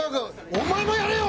お前もやれよ！